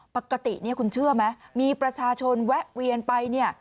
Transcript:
ปกติเนี่ยคุณเชื่อไหมมีประชาชนแวะเวียนไปเนี่ย